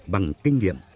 bằng kinh nghiệm